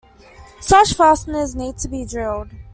Such fasteners need to be drilled.